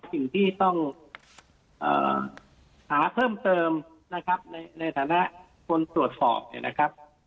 สิ่งที่ต้องหาเพิ่มเติมนะครับในฐานะคนตรวจสอบเนี่ยนะครับ